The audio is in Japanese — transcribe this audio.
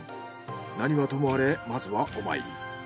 なにはともあれまずはお参り。